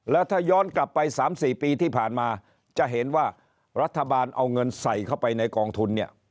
แล้วถ้าย้อนกลับไป๓๔ปีที่ผ่านมาจะเห็นว่ารัฐบาลเอาเงินใส่เข้าไปในกองทุนเนี่ย